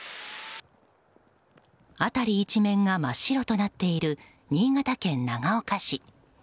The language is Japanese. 辺り一面が真っ白となっている新潟県長岡市。